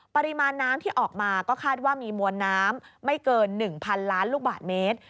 ปริมาณน้ำที่ออกมาก็คาดว่ามีมวลน้ำไม่เกิน๑๐๐๐ล้านลูกบาทเมตร